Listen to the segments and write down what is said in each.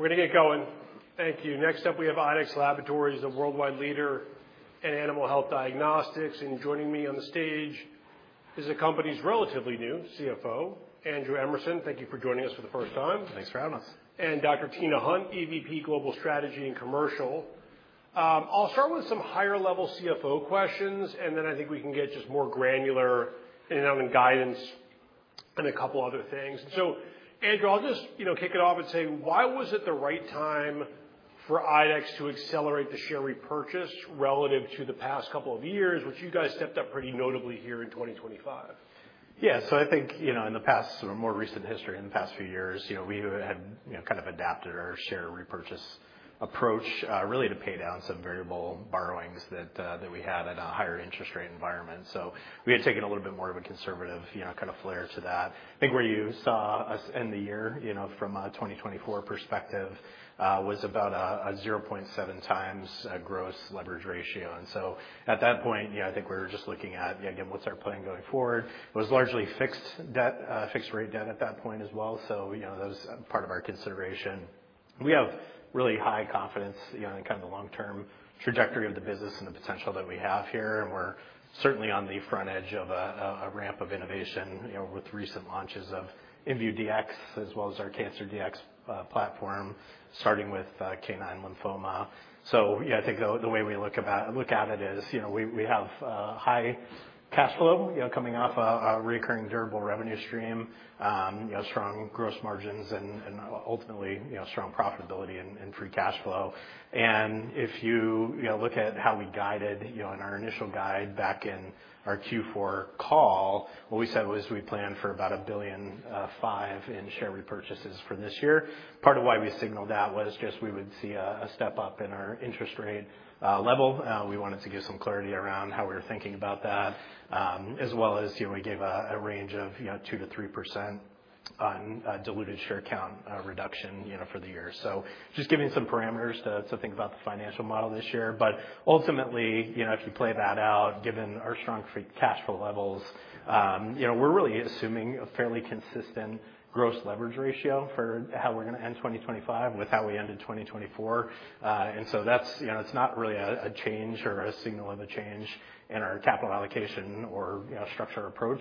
We're going to get going. Thank you. Next up, we have IDEXX Laboratories, the worldwide leader in animal health diagnostics, and joining me on the stage is the company's relatively new CFO, Andrew Emerson. Thank you for joining us for the first time. Thanks for having us. Dr. Tina Hunt, EVP Global Strategy and Commercial. I'll start with some higher-level CFO questions, and then I think we can get just more granular in and out on guidance and a couple of other things. So, Andrew, I'll just kick it off and say, why was it the right time for IDEXX to accelerate the share repurchase relative to the past couple of years, which you guys stepped up pretty notably here in 2025? Yeah. So I think in the past, or more recent history, in the past few years, we had kind of adapted our share repurchase approach really to pay down some variable borrowings that we had at a higher interest rate environment. So we had taken a little bit more of a conservative kind of flair to that. I think where you saw us end the year from a 2024 perspective was about a 0.7x gross leverage ratio. And so at that point, I think we were just looking at, again, what's our plan going forward? It was largely fixed rate debt at that point as well. So that was part of our consideration. We have really high confidence in kind of the long-term trajectory of the business and the potential that we have here. And we're certainly on the front edge of a ramp of innovation with recent launches of InVue Dx, as well as our Cancer Dx platform, starting with canine lymphoma. So I think the way we look at it is we have high cash flow coming off a recurring durable revenue stream, strong gross margins, and ultimately strong profitability and free cash flow. And if you look at how we guided in our initial guide back in our Q4 call, what we said was we planned for about $1.5 billion in share repurchases for this year. Part of why we signaled that was just we would see a step up in our interest rate level. We wanted to give some clarity around how we were thinking about that, as well as we gave a range of 2%-3% on diluted share count reduction for the year. So just giving some parameters to think about the financial model this year. But ultimately, if you play that out, given our strong cash flow levels, we're really assuming a fairly consistent gross leverage ratio for how we're going to end 2025 with how we ended 2024. And so it's not really a change or a signal of a change in our capital allocation or structure approach.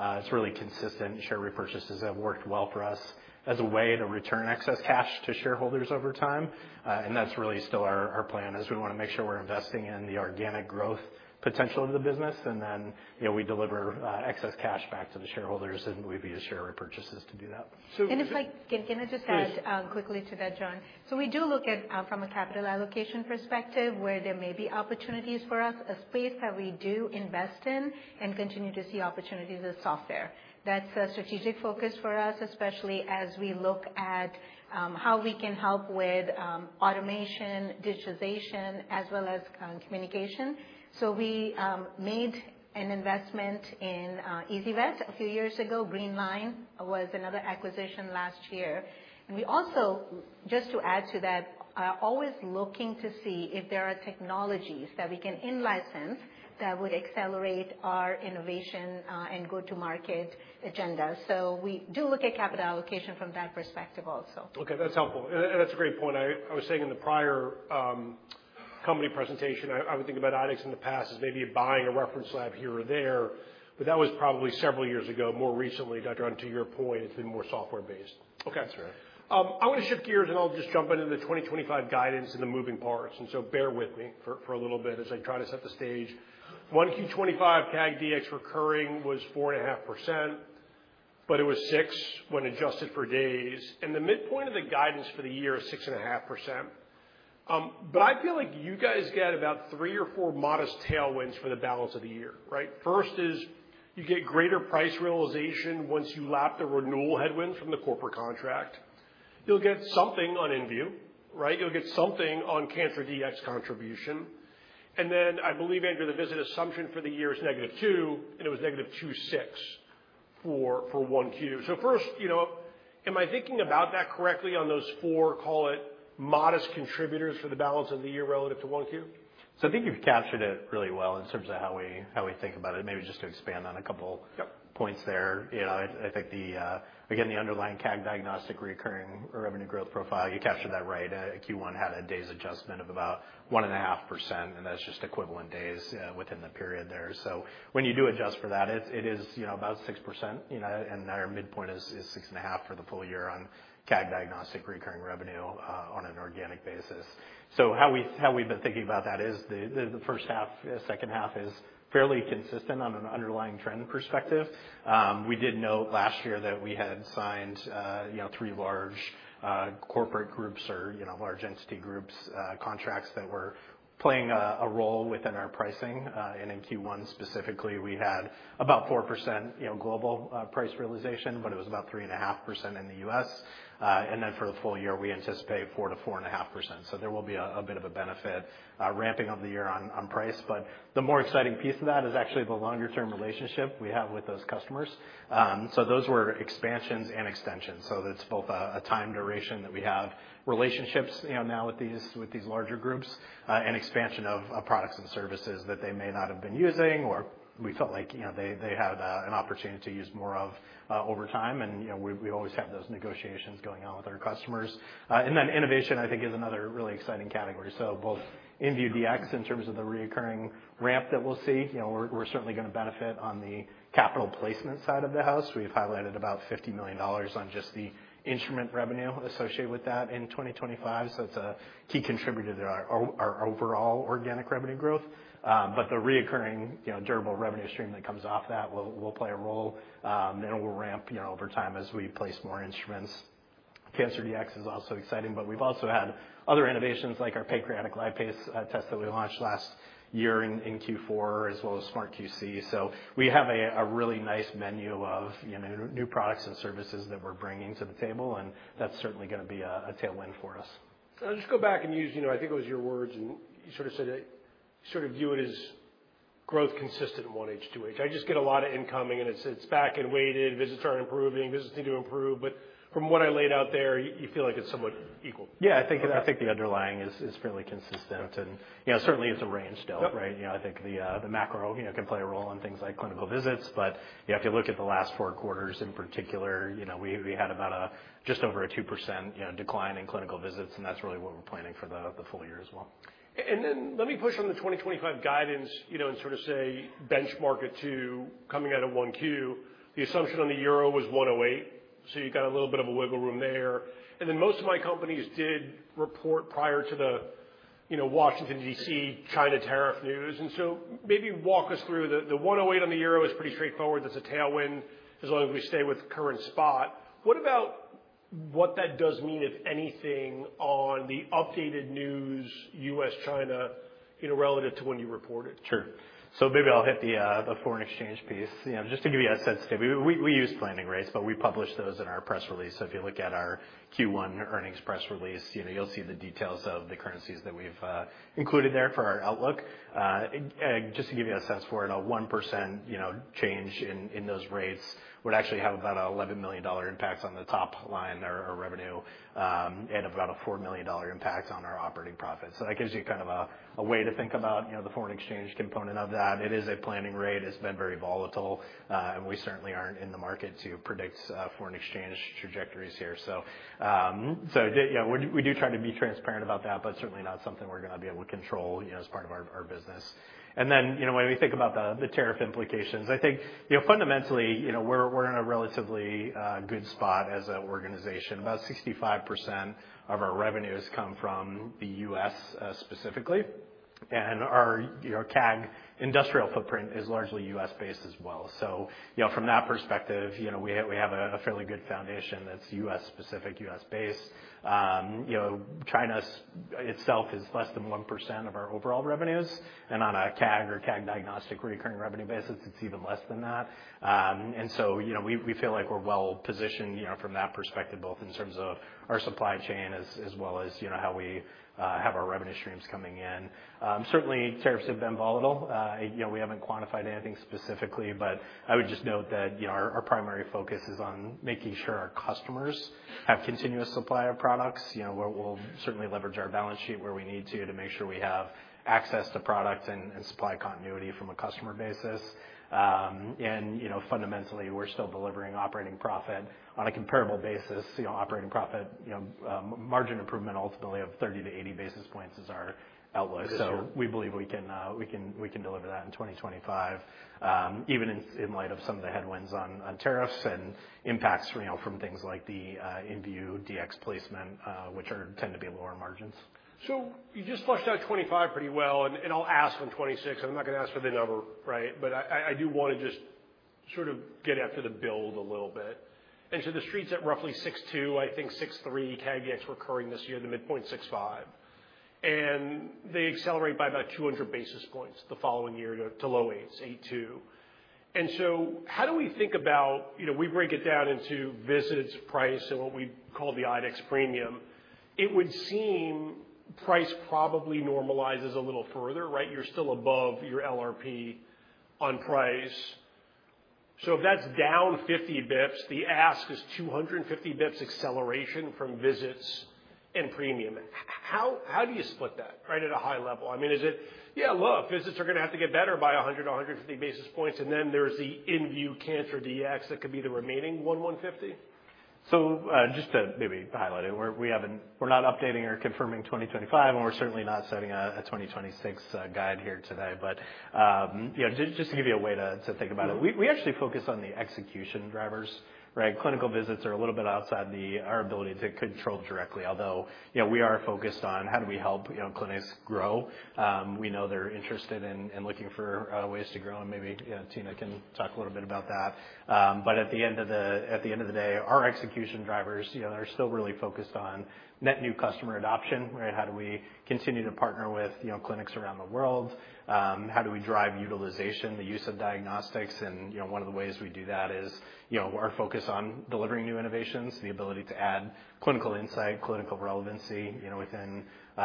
It's really consistent. Share repurchases have worked well for us as a way to return excess cash to shareholders over time. And that's really still our plan, is we want to make sure we're investing in the organic growth potential of the business. And then we deliver excess cash back to the shareholders, and we view share repurchases to do that. And if I can just add quickly to that, John. So we do look at from a capital allocation perspective where there may be opportunities for us, a space that we do invest in and continue to see opportunities as software. That's a strategic focus for us, especially as we look at how we can help with automation, digitization, as well as communication. So we made an investment in ezyVet a few years ago. Greenline was another acquisition last year. And we also, just to add to that, are always looking to see if there are technologies that we can in-license that would accelerate our innovation and go-to-market agenda. So we do look at capital allocation from that perspective also. Okay. That's helpful. And that's a great point. I was saying in the prior company presentation, I would think about IDEXX in the past as maybe buying a reference lab here or there, but that was probably several years ago. More recently, Dr. Hunt, to your point, it's been more software-based. That's right. I want to shift gears, and I'll just jump into the 2025 guidance and the moving parts. And so bear with me for a little bit as I try to set the stage. 1Q25 CAG Dx recurring was 4.5%, but it was 6% when adjusted for days. And the midpoint of the guidance for the year is 6.5%. But I feel like you guys get about three or four modest tailwinds for the balance of the year, right? First is you get greater price realization once you lap the renewal headwinds from the corporate contract. You'll get something on InVue. You'll get something on Cancer Dx contribution. And then I believe, Andrew, the visit assumption for the year is negative two, and it was negative 2.6 for 1Q. So first, am I thinking about that correctly on those four, call it modest contributors for the balance of the year relative to 1Q? So I think you've captured it really well in terms of how we think about it. Maybe just to expand on a couple points there. I think, again, the underlying CAG Diagnostic recurring revenue growth profile, you captured that right. Q1 had a days adjustment of about 1.5%, and that's just equivalent days within the period there. So when you do adjust for that, it is about 6%. And our midpoint is 6.5% for the full year on CAG Diagnostic recurring revenue on an organic basis. So how we've been thinking about that is the first half, second half is fairly consistent on an underlying trend perspective. We did note last year that we had signed three large corporate groups or large entity groups contracts that were playing a role within our pricing. In Q1 specifically, we had about 4% global price realization, but it was about 3.5% in the U.S. For the full year, we anticipate 4%-4.5%. There will be a bit of a benefit ramping of the year on price. The more exciting piece of that is actually the longer-term relationship we have with those customers. Those were expansions and extensions. It's both a time duration that we have relationships now with these larger groups and expansion of products and services that they may not have been using or we felt like they had an opportunity to use more of over time. We always have those negotiations going on with our customers. Innovation, I think, is another really exciting category. So both InVue Dx in terms of the recurring ramp that we'll see, we're certainly going to benefit on the capital placement side of the house. We've highlighted about $50 million on just the instrument revenue associated with that in 2025. So it's a key contributor to our overall organic revenue growth. But the recurring durable revenue stream that comes off that will play a role and will ramp over time as we place more instruments. Cancer Dx is also exciting, but we've also had other innovations like our Pancreatic Lipase Test that we launched last year in Q4, as well as SmartQC. So we have a really nice menu of new products and services that we're bringing to the table, and that's certainly going to be a tailwind for us. I'll just go back and use, I think it was your words, and you sort of said that you sort of view it as growth consistent in 1H/2H. I just get a lot of incoming, and it's back and weighted. Visits aren't improving. Visits need to improve, but from what I laid out there, you feel like it's somewhat equal. Yeah. I think the underlying is fairly consistent, and certainly it's a range still, right? I think the macro can play a role in things like clinical visits, but you have to look at the last four quarters in particular. We had about just over a 2% decline in clinical visits, and that's really what we're planning for the full year as well. And then let me push on the 2025 guidance and sort of say benchmark it to coming out of one Q. The assumption on the euro was 108. So you got a little bit of a wiggle room there. And then most of my companies did report prior to the Washington, D.C., China tariff news. And so maybe walk us through. The 108 on the euro is pretty straightforward. That's a tailwind as long as we stay with current spot. What about what that does mean, if anything, on the updated news U.S.-China relative to when you reported? Sure. So maybe I'll hit the foreign exchange piece just to give you a sense too. We use planning rates, but we publish those in our press release. So if you look at our Q1 earnings press release, you'll see the details of the currencies that we've included there for our outlook. Just to give you a sense for it, a 1% change in those rates would actually have about an $11 million impact on the top line or revenue and about a $4 million impact on our operating profits. So that gives you kind of a way to think about the foreign exchange component of that. It is a planning rate. It's been very volatile, and we certainly aren't in the market to predict foreign exchange trajectories here. We do try to be transparent about that, but certainly not something we're going to be able to control as part of our business. When we think about the tariff implications, I think fundamentally we're in a relatively good spot as an organization. About 65% of our revenues come from the U.S. specifically, and our CAG industrial footprint is largely U.S.-based as well. From that perspective, we have a fairly good foundation that's U.S.-specific, U.S.-based. China itself is less than 1% of our overall revenues. On a CAG or CAG Diagnostic recurring revenue basis, it's even less than that. We feel like we're well positioned from that perspective, both in terms of our supply chain as well as how we have our revenue streams coming in. Certainly, tariffs have been volatile. We haven't quantified anything specifically, but I would just note that our primary focus is on making sure our customers have continuous supply of products. We'll certainly leverage our balance sheet where we need to to make sure we have access to product and supply continuity from a customer basis. And fundamentally, we're still delivering operating profit on a comparable basis. Operating profit margin improvement ultimately of 30-80 basis points is our outlook, so we believe we can deliver that in 2025, even in light of some of the headwinds on tariffs and impacts from things like the InVue Dx placement, which tend to be lower margins. So you just fleshed out 25 pretty well, and I'll ask on 26. I'm not going to ask for the number, right? But I do want to just sort of get after the build a little bit. And so the Street's at roughly 6.2, I think 6.3 CAG Dx recurring this year, the midpoint 6.5. And they accelerate by about 200 basis points the following year to low 8s, 8.2. And so how do we think about we break it down into visits, price, and what we call the IDEXX premium. It would seem price probably normalizes a little further, right? You're still above your LRP on price. So if that's down 50 basis points, the ask is 250 basis points acceleration from visits and premium. How do you split that, right, at a high level? I mean, is it, yeah, look, visits are going to have to get better by 100-150 basis points. And then there's the InVue Cancer Dx that could be the remaining 1150. So just to maybe highlight it, we're not updating or confirming 2025, and we're certainly not setting a 2026 guide here today. But just to give you a way to think about it, we actually focus on the execution drivers, right? Clinical visits are a little bit outside our ability to control directly, although we are focused on how do we help clinics grow. We know they're interested in looking for ways to grow. And maybe Tina can talk a little bit about that. But at the end of the day, our execution drivers are still really focused on net new customer adoption, right? How do we continue to partner with clinics around the world? How do we drive utilization, the use of diagnostics? And one of the ways we do that is our focus on delivering new innovations, the ability to add clinical insight, clinical relevancy within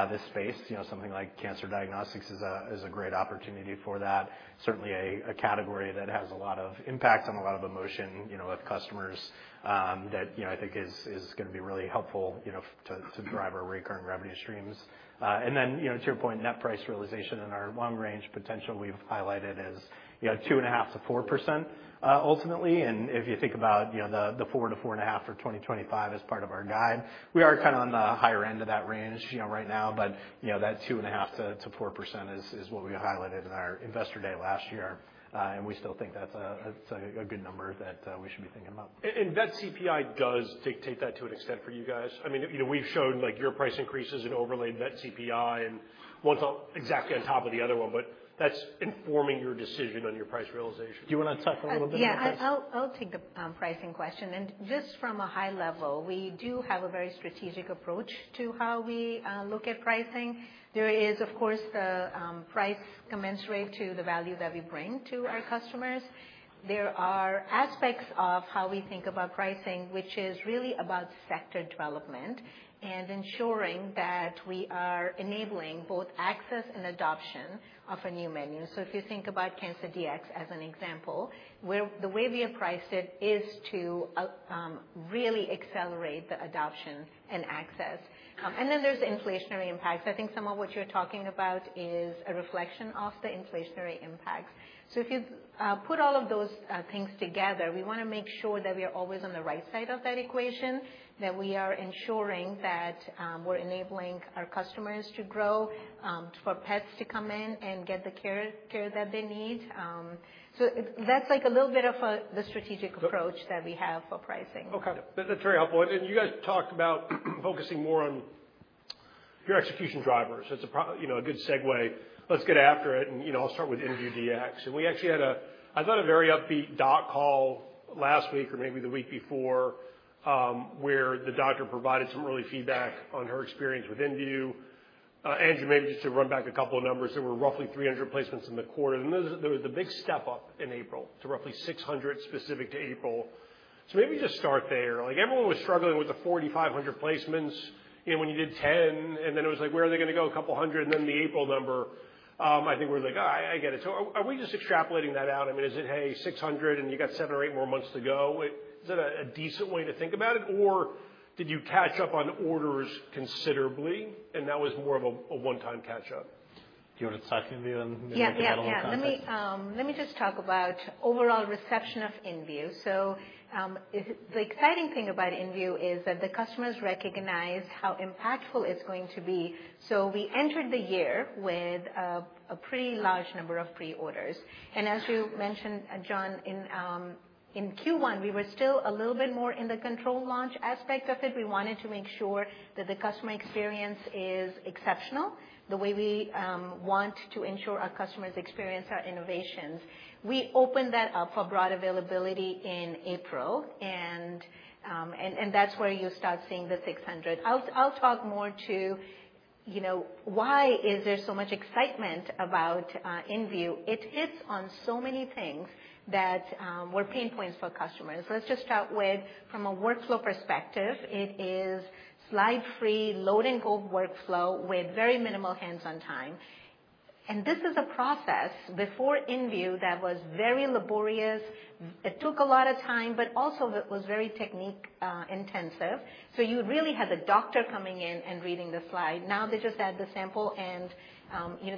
this space. Something like cancer diagnostics is a great opportunity for that. Certainly a category that has a lot of impact and a lot of emotion with customers that I think is going to be really helpful to drive our recurring revenue streams. And then to your point, net price realization in our long range potential we've highlighted is 2.5%-4% ultimately. And if you think about the 4%-4.5% for 2025 as part of our guide, we are kind of on the higher end of that range right now. But that 2.5%-4% is what we highlighted in our investor day last year. And we still think that's a good number that we should be thinking about. And that CPI does dictate that to an extent for you guys. I mean, we've shown your price increases and overlaid that CPI and one exactly on top of the other one, but that's informing your decision on your price realization. Do you want to talk a little bit about that? Yeah. I'll take the pricing question, and just from a high level, we do have a very strategic approach to how we look at pricing. There is, of course, the price commensurate to the value that we bring to our customers. There are aspects of how we think about pricing, which is really about sector development and ensuring that we are enabling both access and adoption of a new menu, so if you think about Cancer Dx as an example, the way we have priced it is to really accelerate the adoption and access, and then there's inflationary impacts. I think some of what you're talking about is a reflection of the inflationary impacts. So if you put all of those things together, we want to make sure that we are always on the right side of that equation, that we are ensuring that we're enabling our customers to grow, for pets to come in and get the care that they need. So that's like a little bit of the strategic approach that we have for pricing. Okay. That's very helpful, and you guys talked about focusing more on your execution drivers. It's a good segue. Let's get after it, and I'll start with InVue Dx. We actually had a, I thought, a very upbeat doc call last week or maybe the week before where the doctor provided some early feedback on her experience with InVue. Andrew, maybe just to run back a couple of numbers, there were roughly 300 placements in the quarter, and there was the big step up in April to roughly 600 specific to April. So maybe just start there. Everyone was struggling with the 4,500 placements when you did 10, and then it was like, where are they going to go? A couple hundred, and then the April number. I think we're like, oh, I get it, so are we just extrapolating that out? I mean, is it, hey, 600 and you got seven or eight more months to go? Is that a decent way to think about it? Or did you catch up on orders considerably? And that was more of a one-time catch-up. Do you want to talk to InVue and maybe get a little context? Yeah. Let me just talk about overall reception of InVue. So the exciting thing about InVue is that the customers recognize how impactful it's going to be. So we entered the year with a pretty large number of pre-orders. And as you mentioned, John, in Q1, we were still a little bit more in the control launch aspect of it. We wanted to make sure that the customer experience is exceptional, the way we want to ensure our customers experience our innovations. We opened that up for broad availability in April, and that's where you start seeing the 600. I'll talk more to why is there so much excitement about InVue. It hits on so many things that were pain points for customers. Let's just start with, from a workflow perspective, it is slide-free load and go workflow with very minimal hands-on time. This is a process before InVue that was very laborious. It took a lot of time, but also it was very technique-intensive. You really had the doctor coming in and reading the slide. Now they just add the sample and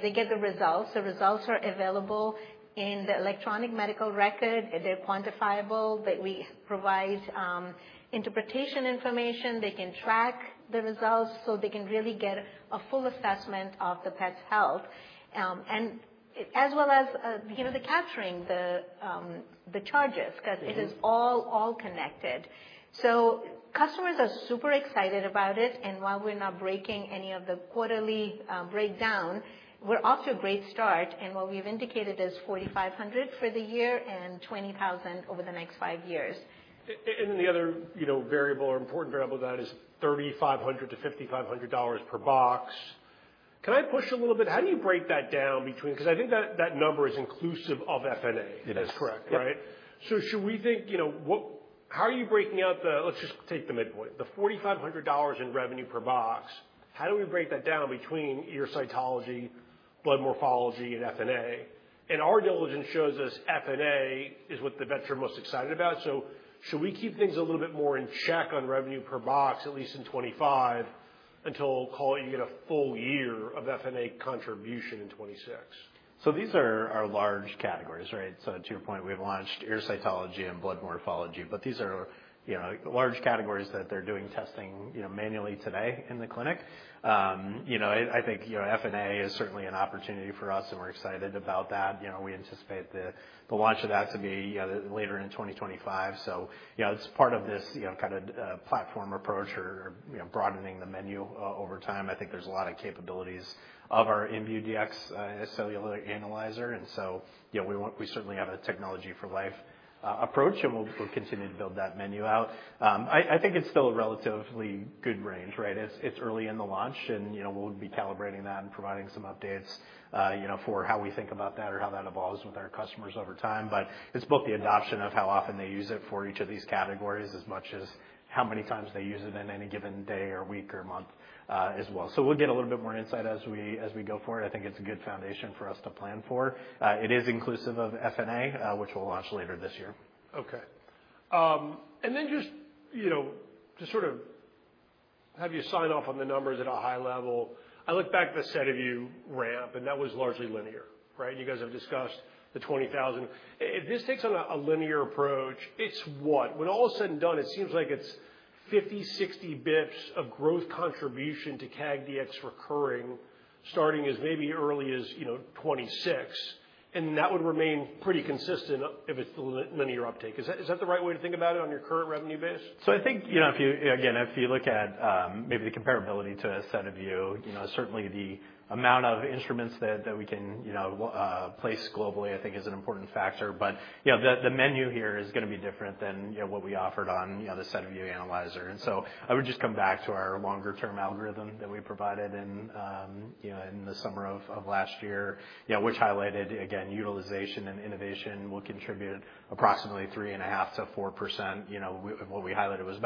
they get the results. The results are available in the electronic medical record. They're quantifiable. We provide interpretation information. They can track the results so they can really get a full assessment of the pet's health, as well as the capturing the charges because it is all connected. Customers are super excited about it. While we're not breaking any of the quarterly breakdown, we're off to a great start. What we've indicated is 4,500 for the year and 20,000 over the next five years. And then the other variable or important variable of that is $3,500-$5,500 per box. Can I push a little bit? How do you break that down between? Because I think that number is inclusive of FNA. It is. That's correct, right? So should we think, how are you breaking out the, let's just take the midpoint. The $4,500 in revenue per box, how do we break that down between your cytology, blood morphology, and FNA? And our diligence shows us FNA is what the vets are most excited about. So should we keep things a little bit more in check on revenue per box, at least in 2025, until you get a full year of FNA contribution in 2026? So these are our large categories, right? So to your point, we've launched ear cytology and blood morphology, but these are large categories that they're doing testing manually today in the clinic. I think FNA is certainly an opportunity for us, and we're excited about that. We anticipate the launch of that to be later in 2025. So it's part of this kind of platform approach or broadening the menu over time. I think there's a lot of capabilities of our InVue Dx cellular analyzer. And so we certainly have a technology-for-life approach, and we'll continue to build that menu out. I think it's still a relatively good range, right? It's early in the launch, and we'll be calibrating that and providing some updates for how we think about that or how that evolves with our customers over time. But it's both the adoption of how often they use it for each of these categories as much as how many times they use it in any given day or week or month as well. So we'll get a little bit more insight as we go for it. I think it's a good foundation for us to plan for. It is inclusive of FNA, which we'll launch later this year. Okay. And then just to sort of have you sign off on the numbers at a high level, I look back at the SediVue ramp, and that was largely linear, right? You guys have discussed the 20,000. If this takes on a linear approach, it's what? When all is said and done, it seems like it's 50-60 basis points of growth contribution to CAG Dx recurring starting as maybe early as 2026, and that would remain pretty consistent if it's the linear uptake. Is that the right way to think about it on your current revenue base? I think, again, if you look at maybe the comparability to a SediVue, certainly the amount of instruments that we can place globally, I think, is an important factor. The menu here is going to be different than what we offered on the SediVue analyzer. I would just come back to our longer-term algorithm that we provided in the summer of last year, which highlighted, again, utilization and innovation will contribute approximately 3.5%-4%. What we highlighted was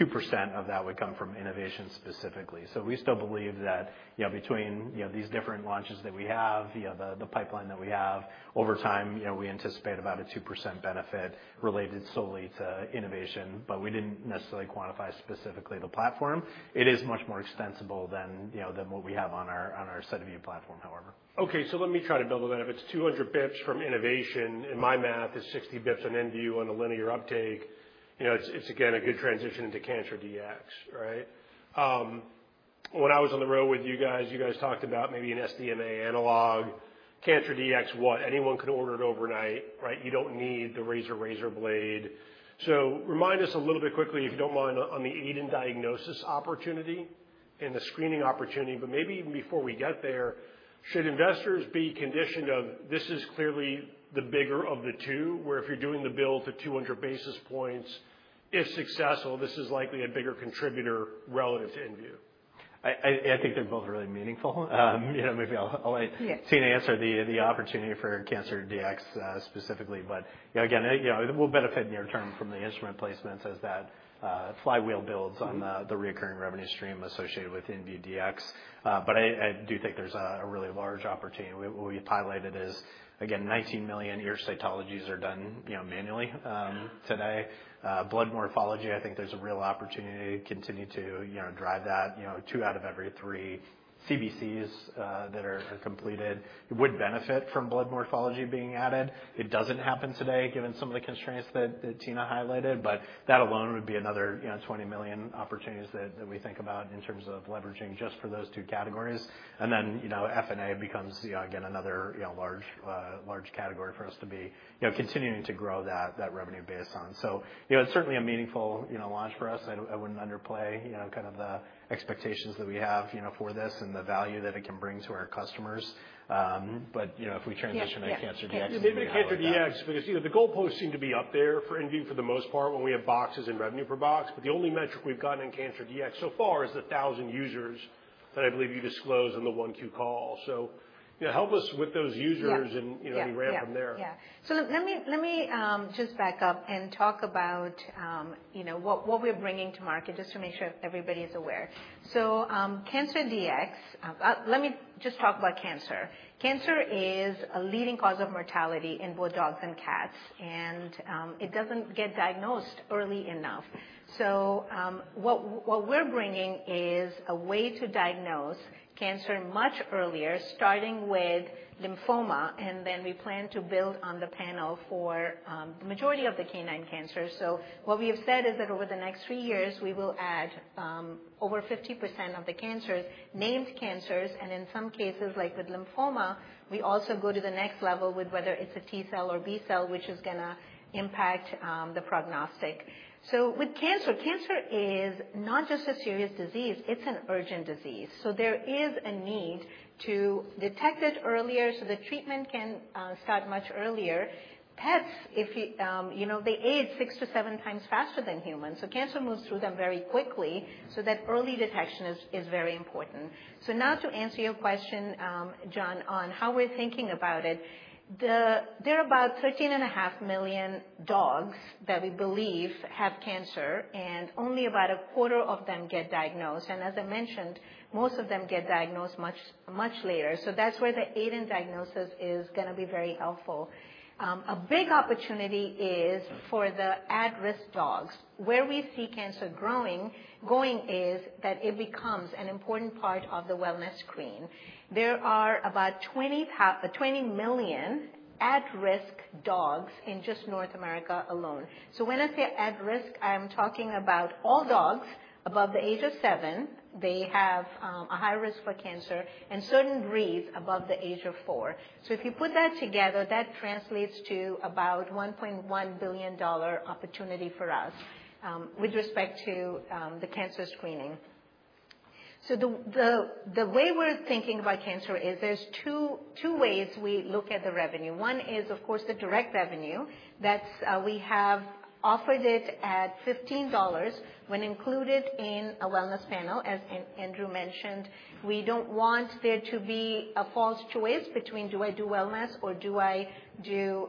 about 2% of that would come from innovation specifically. We still believe that between these different launches that we have, the pipeline that we have, over time, we anticipate about a 2% benefit related solely to innovation, but we didn't necessarily quantify specifically the platform. It is much more extensible than what we have on our SediVue platform, however. Okay, so let me try to build on that. If it's 200 basis points from innovation, and my math is 60 basis points on InVue on a linear uptake, it's, again, a good transition into Cancer Dx, right? When I was on the road with you guys, you guys talked about maybe an SDMA analog. Cancer Dx, what? Anyone can order it overnight, right? You don't need the razor-blade. So remind us a little bit quickly, if you don't mind, on the aid and diagnosis opportunity and the screening opportunity, but maybe even before we get there, should investors be conditioned of this is clearly the bigger of the two, where if you're doing the build to 200 basis points, if successful, this is likely a bigger contributor relative to InVue? I think they're both really meaningful. Maybe I'll let Tina answer the opportunity for Cancer Dx specifically, but again, we'll benefit near-term from the instrument placements as that flywheel builds on the recurring revenue stream associated with InVue Dx, but I do think there's a really large opportunity. What we've highlighted is, again, 19 million ear cytologies are done manually today. Blood morphology, I think there's a real opportunity to continue to drive that. Two out of every three CBCs that are completed would benefit from blood morphology being added. It doesn't happen today given some of the constraints that Tina highlighted, but that alone would be another 20 million opportunities that we think about in terms of leveraging just for those two categories, and then FNA becomes, again, another large category for us to be continuing to grow that revenue base on. So it's certainly a meaningful launch for us. I wouldn't underplay kind of the expectations that we have for this and the value that it can bring to our customers. But if we transition to Cancer Dx. Yeah. Maybe to Cancer Dx, because the goalposts seem to be up there for InVue for the most part when we have boxes and revenue per box. But the only metric we've gotten in Cancer Dx so far is the 1,000 users that I believe you disclosed in the 1Q call. So help us with those users and we ramp from there. Yeah, so let me just back up and talk about what we're bringing to market just to make sure everybody is aware, so Cancer Dx, let me just talk about cancer. Cancer is a leading cause of mortality in both dogs and cats, and it doesn't get diagnosed early enough, so what we're bringing is a way to diagnose cancer much earlier, starting with lymphoma, and then we plan to build on the panel for the majority of the canine cancers, so what we have said is that over the next three years, we will add over 50% of the cancers, named cancers, and in some cases, like with lymphoma, we also go to the next level with whether it's a T cell or B cell, which is going to impact the prognostic, so with cancer, cancer is not just a serious disease. It's an urgent disease. There is a need to detect it earlier so the treatment can start much earlier. Pets, they age 6x to 7x faster than humans. Cancer moves through them very quickly, so that early detection is very important. Now to answer your question, John, on how we're thinking about it, there are about 13.5 million dogs that we believe have cancer, and only about a quarter of them get diagnosed. As I mentioned, most of them get diagnosed much later. That's where the aid-in-diagnosis is going to be very helpful. A big opportunity is for the at-risk dogs. Where we see cancer going is that it becomes an important part of the wellness screen. There are about 20 million at-risk dogs in just North America alone. When I say at-risk, I'm talking about all dogs above the age of seven. They have a high risk for cancer and certain breeds above the age of four. So if you put that together, that translates to about $1.1 billion opportunity for us with respect to the cancer screening. So the way we're thinking about cancer is there's two ways we look at the revenue. One is, of course, the direct revenue. We have offered it at $15 when included in a wellness panel, as Andrew mentioned. We don't want there to be a false choice between do I do wellness or do I do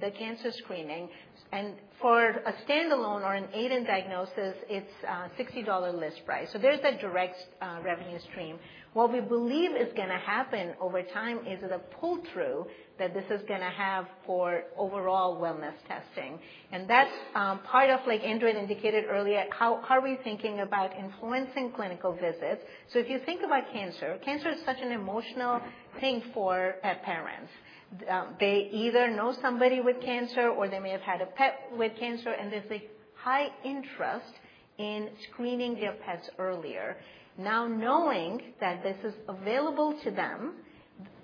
the cancer screening. And for a standalone or an aid-in-diagnosis, it's a $60 list price. So there's a direct revenue stream. What we believe is going to happen over time is the pull-through that this is going to have for overall wellness testing. That's part of, like Andrew had indicated earlier, how are we thinking about influencing clinical visits? If you think about cancer, cancer is such an emotional thing for pet parents. They either know somebody with cancer or they may have had a pet with cancer, and there's a high interest in screening their pets earlier. Now, knowing that this is available to them,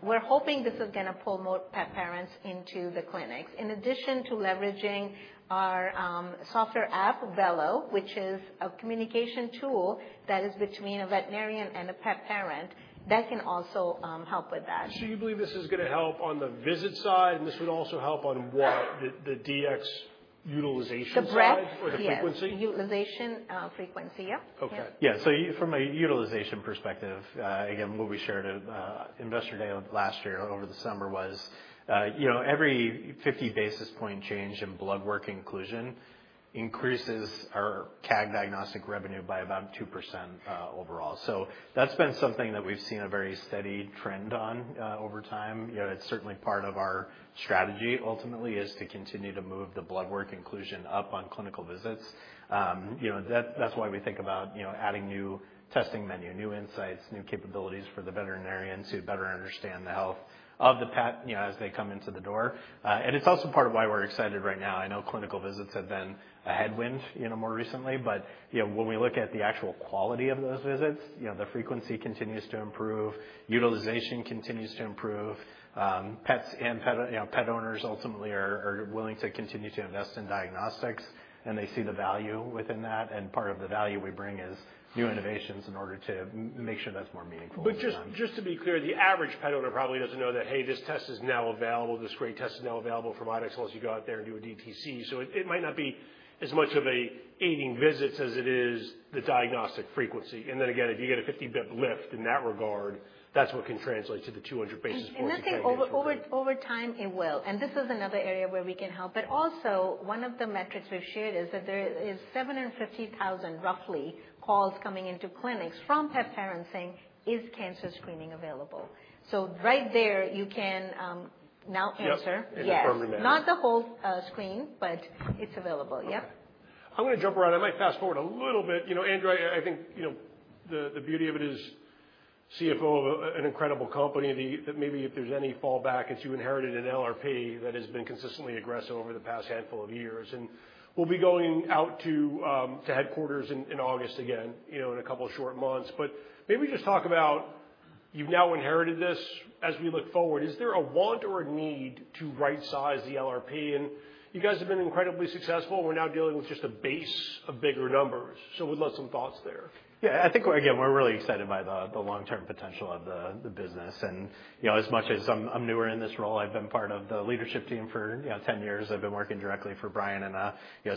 we're hoping this is going to pull more pet parents into the clinics. In addition to leveraging our software app, Vello, which is a communication tool that is between a veterinarian and a pet parent, that can also help with that. So you believe this is going to help on the visit side, and this would also help on what? The DX utilization side or the frequency? The utilization frequency, yep. Okay. Yeah. So from a utilization perspective, again, what we shared at Investor Day last year over the summer was every 50 basis point change in blood work inclusion increases our CAG Diagnostic revenue by about 2% overall. So that's been something that we've seen a very steady trend on over time. It's certainly part of our strategy ultimately is to continue to move the blood work inclusion up on clinical visits. That's why we think about adding new testing menu, new insights, new capabilities for the veterinarian to better understand the health of the pet as they come into the door. And it's also part of why we're excited right now. I know clinical visits have been a headwind more recently, but when we look at the actual quality of those visits, the frequency continues to improve, utilization continues to improve. Pets and pet owners ultimately are willing to continue to invest in diagnostics, and they see the value within that. And part of the value we bring is new innovations in order to make sure that's more meaningful. But just to be clear, the average pet owner probably doesn't know that, hey, this test is now available, this great test is now available from IDEXX unless you go out there and do a DTC. So it might not be as much of an adding visits as it is the diagnostic frequency. And then again, if you get a 50 basis point lift in that regard, that's what can translate to the 200 basis point. And I think over time, it will. And this is another area where we can help. But also, one of the metrics we've shared is that there is 750,000 roughly calls coming into clinics from pet parents saying, "Is cancer screening available?" So right there, you can now answer. Yes. Yes. In a firm manner. Not the whole screen, but it's available. Yep. I'm going to jump around. I might fast forward a little bit. Andrew, I think the beauty of it is CFO of an incredible company that maybe if there's any fallback, it's you inherited an LRP that has been consistently aggressive over the past handful of years. And we'll be going out to headquarters in August again in a couple of short months. But maybe just talk about you've now inherited this as we look forward. Is there a want or a need to right-size the LRP? And you guys have been incredibly successful. We're now dealing with just a base of bigger numbers. So we'd love some thoughts there. Yeah. I think, again, we're really excited by the long-term potential of the business. And as much as I'm newer in this role, I've been part of the leadership team for 10 years. I've been working directly for Brian in a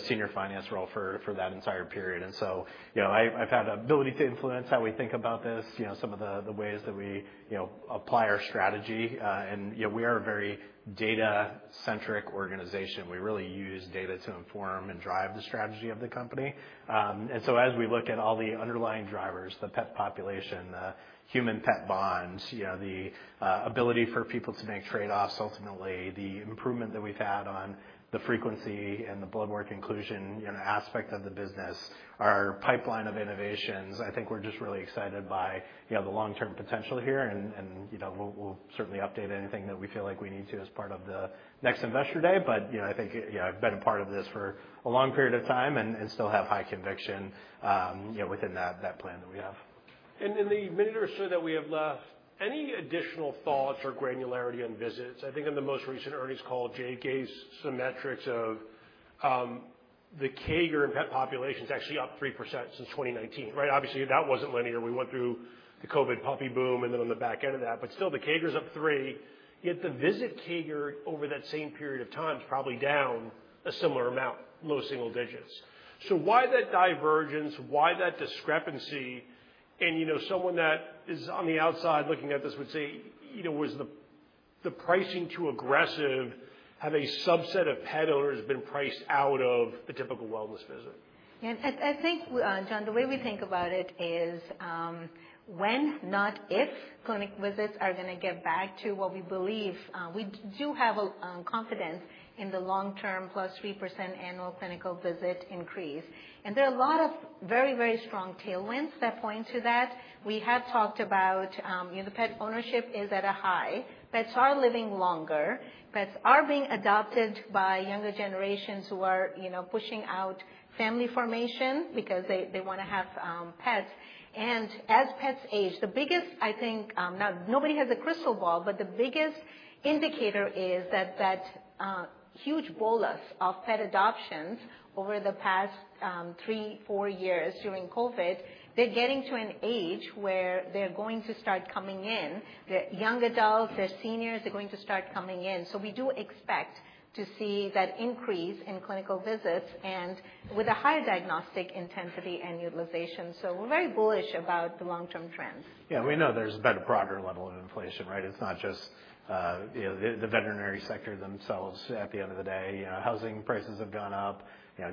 senior finance role for that entire period. And so I've had an ability to influence how we think about this, some of the ways that we apply our strategy. And we are a very data-centric organization. We really use data to inform and drive the strategy of the company. And so as we look at all the underlying drivers, the pet population, the human-pet bonds, the ability for people to make trade-offs ultimately, the improvement that we've had on the frequency and the blood work inclusion aspect of the business, our pipeline of innovations, I think we're just really excited by the long-term potential here. And we'll certainly update anything that we feel like we need to as part of the next Investor Day. But I think I've been a part of this for a long period of time and still have high conviction within that plan that we have. And in the minute or so that we have left, any additional thoughts or granularity on visits? I think on the most recent earnings call, Jay gave some metrics of the CAGR in pet populations actually up 3% since 2019, right? Obviously, that wasn't linear. We went through the COVID puppy boom and then on the back end of that. But still, the CAGR is up 3%. Yet the visit CAGR over that same period of time is probably down a similar amount, low single digits. So why that divergence? Why that discrepancy? And someone that is on the outside looking at this would say, "Was the pricing too aggressive? Have a subset of pet owners been priced out of the typical wellness visit? Yeah. I think, John, the way we think about it is when, not if, clinic visits are going to get back to what we believe. We do have confidence in the long-term plus 3% annual clinical visit increase. And there are a lot of very, very strong tailwinds that point to that. We have talked about the pet ownership is at a high. Pets are living longer. Pets are being adopted by younger generations who are pushing out family formation because they want to have pets. And as pets age, the biggest, I think, now nobody has a crystal ball, but the biggest indicator is that that huge bolus of pet adoptions over the past three, four years during COVID, they're getting to an age where they're going to start coming in. They're young adults. They're seniors. They're going to start coming in. So we do expect to see that increase in clinical visits and with a higher diagnostic intensity and utilization. So we're very bullish about the long-term trends. Yeah. We know there's been a broader level of inflation, right? It's not just the veterinary sector themselves. At the end of the day, housing prices have gone up,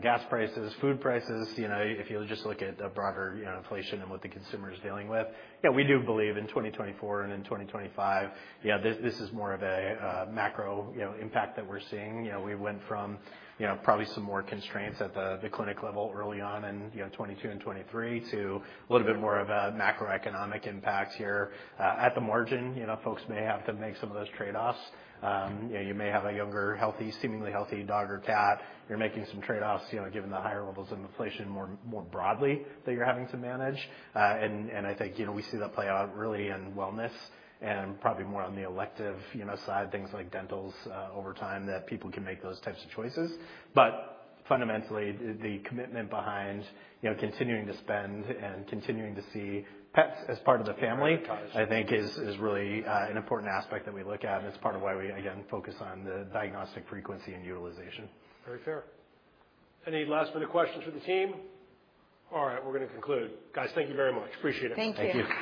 gas prices, food prices. If you just look at a broader inflation and what the consumer is dealing with, yeah, we do believe in 2024 and in 2025, this is more of a macro impact that we're seeing. We went from probably some more constraints at the clinic level early on in 2022 and 2023 to a little bit more of a macroeconomic impact here at the margin. Folks may have to make some of those trade-offs. You may have a younger, seemingly healthy dog or cat. You're making some trade-offs given the higher levels of inflation more broadly that you're having to manage. And I think we see that play out really in wellness and probably more on the elective side, things like dentals over time that people can make those types of choices. But fundamentally, the commitment behind continuing to spend and continuing to see pets as part of the family, I think, is really an important aspect that we look at. And it's part of why we, again, focus on the diagnostic frequency and utilization. Very fair. Any last-minute questions for the team? All right. We're going to conclude. Guys, thank you very much. Appreciate it. Thank you.